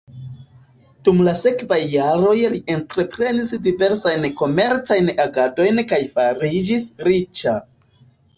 Dum la sekvaj jaroj li entreprenis diversajn komercajn agadojn kaj fariĝis riĉa.